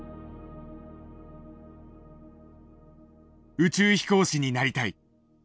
宇宙飛行士になりたい！